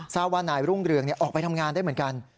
ทราบว่านายรุ่งเรืองออกไปทำงานได้เหมือนกัน